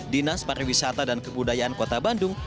dinas pariwisata dan kebudayaan kota bandung